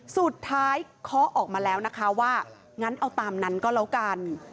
เคาะออกมาแล้วนะคะว่างั้นเอาตามนั้นก็แล้วกัน